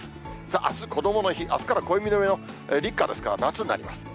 さあ、あすこどもの日、あすから暦の上では立夏ですから夏になります。